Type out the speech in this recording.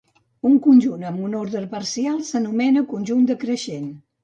Un conjunt amb un ordre parcial s'anomena conjunt decreixent.